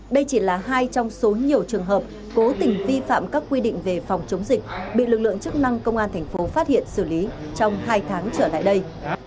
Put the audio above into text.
đây chỉ là hai trong số nhiều trường hợp cố tình vi phạm các quy định về phòng chống dịch bị lực lượng chức năng công an thành phố phát hiện xử lý trong hai tháng trở lại đây